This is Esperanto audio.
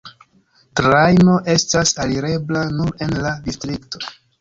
Trajno estas alirebla nur en la distrikto.